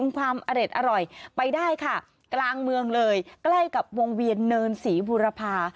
ใกล้กับวงเวียนเนินศรีบุรพา